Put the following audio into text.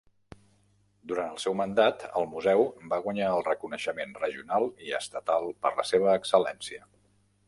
Durant el seu mandat, el museu va guanyar el reconeixement regional i estatal per la seva excel·lència.